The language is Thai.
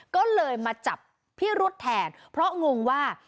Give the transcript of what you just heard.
ก็เลยมาจับพิรุษแทนเพราะงงว่า